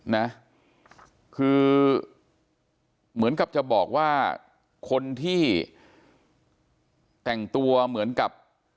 นะคือเหมือนกับจะบอกว่าคนที่แต่งตัวเหมือนกับ